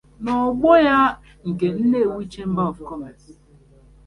na ògbò ya nke 'Nnewi Chamber of Commerce